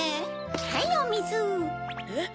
はいおみず。えっ？